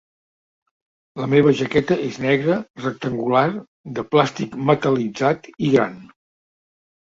La meva jaqueta és negra, rectangular, de plàstic metal·litzat i gran.